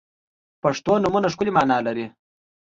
• پښتو نومونه ښکلی معنا لري.